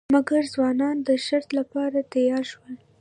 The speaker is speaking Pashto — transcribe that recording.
مګر ځوانان د شرط لپاره تیار شول.